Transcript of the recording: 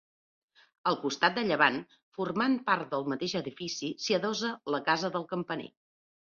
Al costat de llevant, formant part del mateix edifici s'hi adossa la casa del campaner.